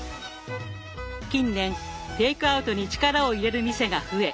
近年テイクアウトに力を入れる店が増え